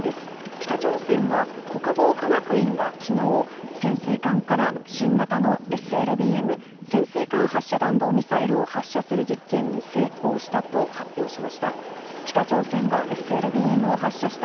北朝鮮は国防科学院がきのう、潜水艦から新型のＳＬＢＭ・潜水艦発射弾道ミサイルを発射する実験に成功したと発表しました。